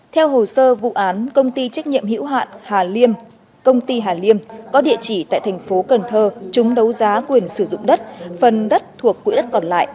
theo hồ sơ vụ án công ty trách nhiệm hữu hạn hà liêm công ty hà liêm có địa chỉ tại thành phố cần thơ chúng đấu giá quyền sử dụng đất phần đất thuộc quỹ đất còn lại